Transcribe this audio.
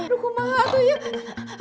aduh kumatuh ya